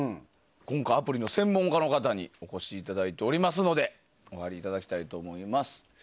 今回、アプリの専門家の方にお越しいただいていますのでお入りいただきたいと思います。